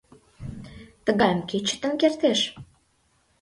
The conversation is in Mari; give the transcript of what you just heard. Тыгайым кӧ чытен кертеш?